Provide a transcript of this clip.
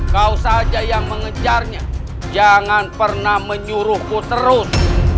kau saja yang mengejarnya jangan pernah menyuruhku terus